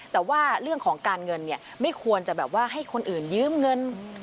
แต่ว่าเรื่องของการเงินเนี่ยไม่ควรจะแบบว่าให้คนอื่นยืมเงิน